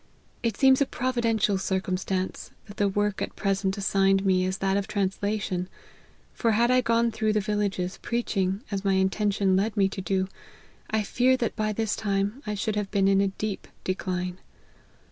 It seems a providential circumstance, that the work at present assigned me is that of translation ; for had I gone through the villages, preaching, as my intention led me to do, I fear that by this time I should have been in a deep decline.